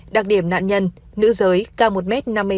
đặc điểm nạn nhân nữ giới cao một m năm mươi năm